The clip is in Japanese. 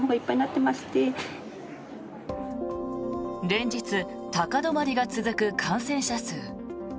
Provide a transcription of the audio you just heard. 連日、高止まりが続く感染者数。